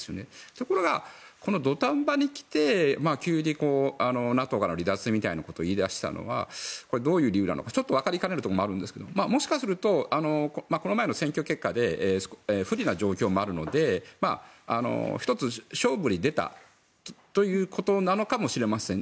ところがこの土壇場にきて、急にＮＡＴＯから離脱みたいなことを言い出したのはどういう理由なのかちょっと分かりかねるところもあるんですがもしかすると、この前の選挙結果で不利な状況もあるので１つ、勝負に出たということなのかもしれません。